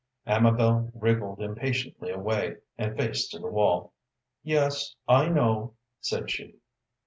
Amabel wriggled impatiently away, and faced to the wall. "Yes, I know," said she.